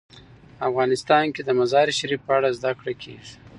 افغانستان کې د مزارشریف په اړه زده کړه کېږي.